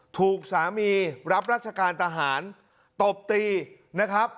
ถูกสามีรับราชการทหารตบตีนะครับ